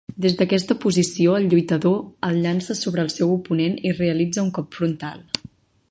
Des d'aquesta posició, el lluitador ell llança sobre el seu oponent i realitza un cop frontal.